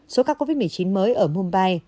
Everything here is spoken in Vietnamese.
số ca covid một mươi chín mới ở mumbai